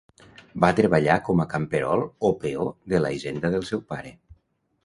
Va treballar com a camperol o peó de la hisenda del seu pare.